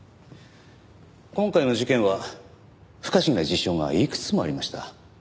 今回の事件は不可思議な事象がいくつもありました。